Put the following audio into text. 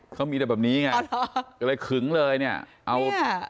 เขามีแต่แบบนี้ไงก็เลยขึงเลยเนี่ยเอา